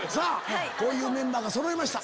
こういうメンバーがそろいました。